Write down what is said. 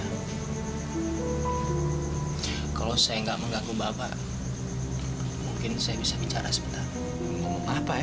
hai kalau saya enggak mengganggu bapak mungkin saya bisa bicara sebentar ngomong apa ya